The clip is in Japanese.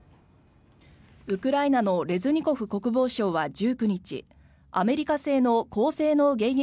ウクライナのレズニコフ国防相は１９日アメリカ製の高性能迎撃